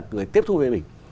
người không đi phê bình